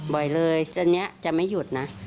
บ่อยเลยเส้นนี้จะไม่หยุดนะ